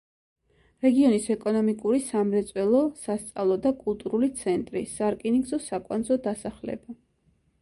რეგიონის ეკონომიკური, სამრეწველო, სასწავლო და კულტურული ცენტრი, სარკინიგზო საკვანძო დასახლება.